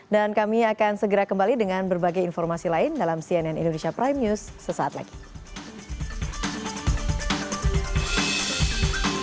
kami akan segera kembali dengan berbagai informasi lain dalam cnn indonesia prime news sesaat lagi